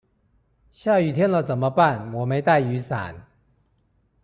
下雨天了怎麼辦我沒帶雨傘